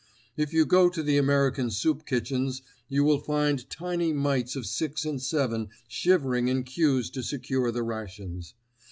If you go to the American soup kitchens you will find tiny mites of six and seven shivering in queues to secure the rations.